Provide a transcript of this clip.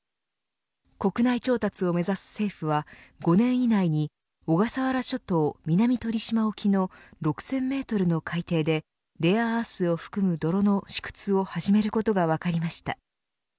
国内調達を目指す政府は５年以内に小笠原諸島南鳥島沖の６０００メートルの海底でレアアースを含む泥の試掘を始めることが分かりました。